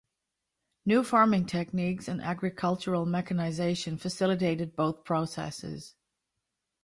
New farming techniques and agricultural mechanization facilitated both processes.